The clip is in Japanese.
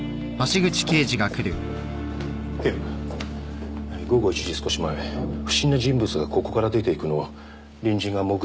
警部午後１時少し前不審な人物がここから出ていくのを隣人が目撃してました。